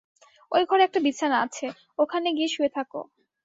ঐ ঘরে একটা বিছানা আছে, ওখানে গিয়ে শুয়ে থাক।